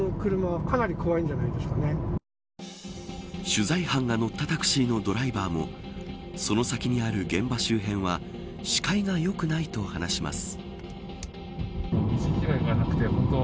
取材班が乗ったタクシーのドライバーもその先にある現場周辺は視界がよくないと話します。